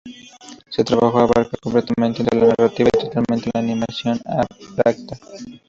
Su trabajo abarca completamente entre la narrativa y totalmente la animación abstracta.